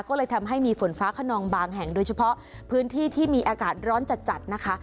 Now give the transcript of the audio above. ก็เลยทำให้มีฝนฟ้าขนองบางแห่งโดยเฉพาะพื้นที่ที่มีอากาศร้อนจัดจัดนะคะ